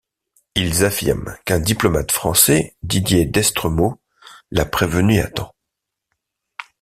Ils affirment qu'un diplomate français, Didier Destremau, l'a prévenu à temps.